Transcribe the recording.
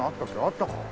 あったか。